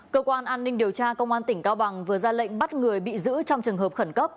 cơ quan an ninh điều tra công an tỉnh cao bằng vừa ra lệnh bắt người bị giữ trong trường hợp khẩn cấp